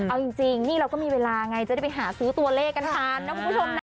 เอาจริงนี่เราก็มีเวลาไงจะได้ไปหาซื้อตัวเลขกันทันนะคุณผู้ชมนะ